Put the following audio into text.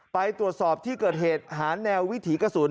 ไปตรวจสอบที่เกิดเหตุหาแนววิถีกระสุน